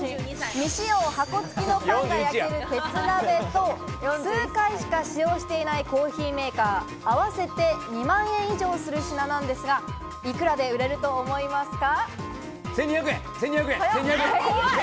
未使用・箱つきのパンが焼ける鉄鍋と、数回しか使用していないコーヒーメーカー、合わせて２万円以上する品ですが、いくらで売れると思いますか？